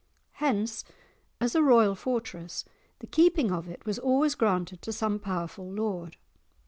Hence, as a royal fortress, the keeping of it was always granted to some powerful lord.